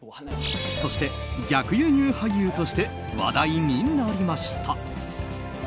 そして、逆輸入俳優として話題になりました。